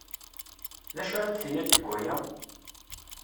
D acu ara d-tiniḍ deg waya?